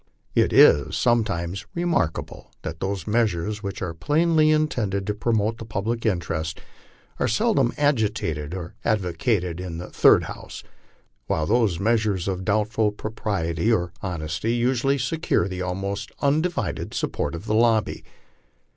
It is somewhat remarkable that those measures which are plainly intended to promote the public interests are seldom agitated or advocated in the third house, while those measures of doubtful propriety or honesty usually secure the almost undivided support of the lobby.